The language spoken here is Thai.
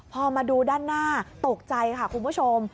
พอมาดูด้านหน้าตกใจค่ะคุณผู้ชม